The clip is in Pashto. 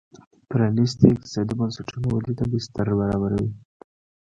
پرانیستي اقتصادي بنسټونه ودې ته بستر برابروي.